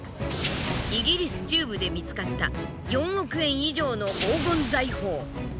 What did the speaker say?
イギリス中部で見つかった４億円以上の黄金財宝。